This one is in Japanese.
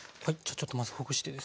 ちょっとまずほぐしてですね。